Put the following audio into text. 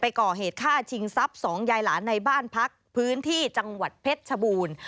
ก่อเหตุฆ่าชิงทรัพย์สองยายหลานในบ้านพักพื้นที่จังหวัดเพชรชบูรณ์